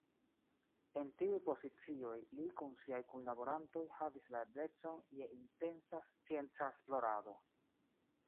En tiuj pozicioj li kun siaj kunlaborantoj havis la eblecon je intensa scienca esplorado.